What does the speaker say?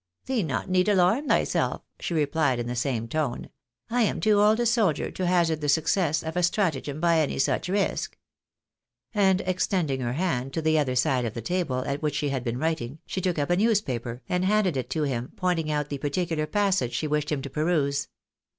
" Thee need not alarm theeself," she replied in the same tone ;" I am too old a soldier to hazard the success of a stratagem by any such risk." And extending her hand to the other side of the table, at which she had been writing, she took up a newspaper, and handed it to him, pointing out the particular passage she wished him to peruse.